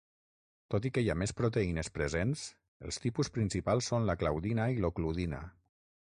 Tot i que hi ha més proteïnes presents, els tipus principals són la claudina i l'ocludina.